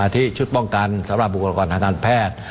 ที่ชุดป้องกันสำหรับอุปกรณ์ทางทางแพทย์